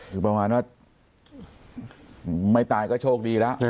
คือประมาณว่าไม่ตายก็โชคดีแล้ว